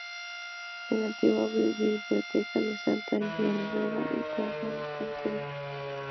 Es contigua a la Biblioteca de Santa-Genoveva, en la plaza del Panteón.